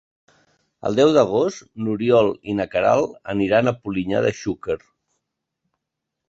El deu d'agost n'Oriol i na Queralt aniran a Polinyà de Xúquer.